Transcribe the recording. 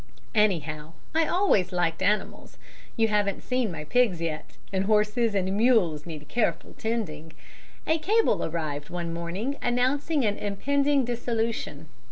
"Anyhow, I always liked animals you haven't seen my pigs yet and horses and mules need careful tending. A cable arrived one morning announcing an impending dissolution.